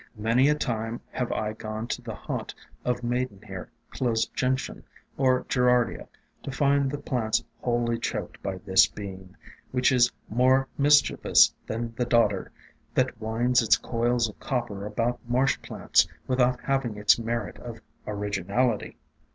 Many a time have I gone to the haunt of Maidenhair, Closed Gentian, or Gerardia, to find the plants wholly choked by this Bean, which is more mischievous than the Dodder, that winds its coils of copper about marsh plants, without having its merit of originality.